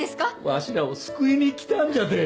わしらを救いに来たんじゃて。